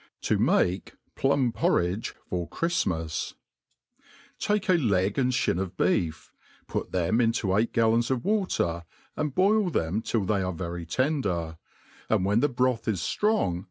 To make Plum Porridge for Chrtjlmas. TAKE a leg and (bin of beef, put them into eight gallons of water, and boil them till they are very tender, and when the broth is ftrong